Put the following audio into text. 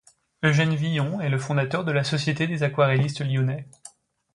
Eugène Villon est le fondateur de la Société des aquarellistes lyonnais.